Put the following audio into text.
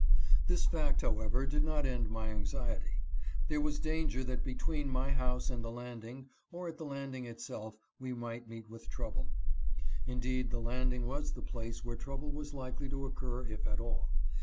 This fact,. however, did not end my anxiety. There was danger that between my house and the landing or at the landing itself we might meet with trouble. Indeed the landing was the place where trouble was likely to occur if at all.